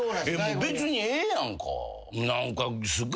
別にええやんか。